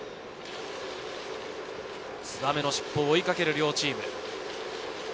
燕の尻尾を追いかける両チーム。